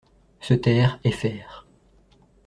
Se taire et faire